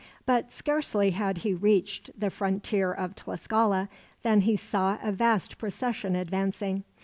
But scarcely had he reached the frontier of Tlascala than he saw a vast procession advancing.